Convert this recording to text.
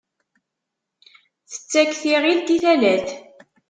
Tettak tiɣilt i talat.